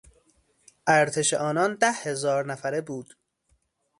ارتش آنان ده هزار نفره بود.